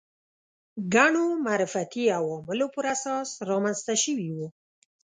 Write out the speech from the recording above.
ګڼو معرفتي عواملو پر اساس رامنځته شوي وو